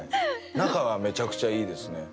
仲はめちゃくちゃいいですね。